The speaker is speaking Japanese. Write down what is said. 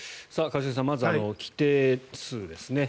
一茂さん、まず規定数ですね。